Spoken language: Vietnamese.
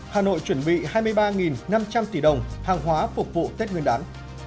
hà nội chuẩn bị hai mươi ba năm trăm linh tỷ đồng hàng hóa phục vụ tết nguyên đán